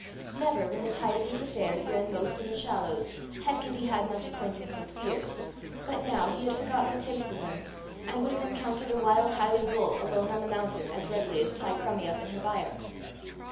Never, when the tide of his affairs ran most in the shallows, had Gibbie had much acquaintance with fears, but now he had forgotten the taste of them, and would have encountered a wild highland bull alone on the mountain, as readily as tie Crummie up in her byre.